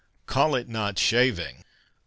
Call it not shaving !